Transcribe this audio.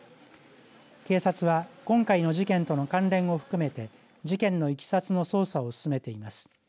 警察は今回の事件との関連を含めて事件のいきさつの捜査を進めています。